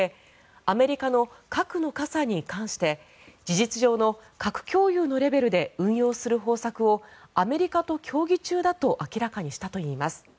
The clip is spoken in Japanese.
アメリカの核の傘に関して事実上の核共有のレベルで運用する方策をアメリカと協議中だと明らかにしたといいます。